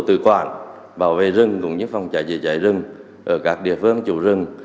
tổ tự quản bảo vệ rừng cũng như phòng cháy rừng ở các địa phương chủ rừng